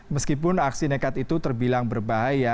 meskipun aksi nekat itu terbilang berbahaya